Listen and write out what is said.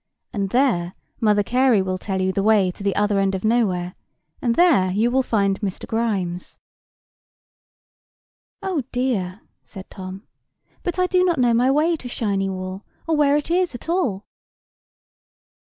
And there Mother Carey will tell you the way to the Other end of Nowhere, and there you will find Mr. Grimes." "Oh, dear!" said Tom. "But I do not know my way to Shiny Wall, or where it is at all."